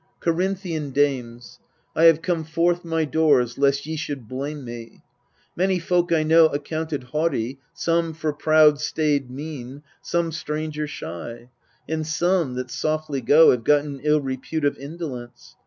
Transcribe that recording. Corinthian dames, I have come forth my doors Lest ye should blame me. Many folk I know Accounted haughty, some, for proud staid mien, 1 Some, stranger shy :* and some, that softly go, Have gotten ill repute of indolence.